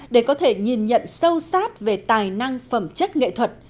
để có thể nhìn nhận sâu sát về tài năng phẩm chất nghệ thuật